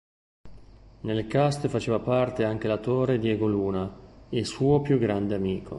Nel cast faceva parte anche l'attore Diego Luna, il suo più grande amico.